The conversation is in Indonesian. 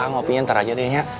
kang opinya ntar aja deh ya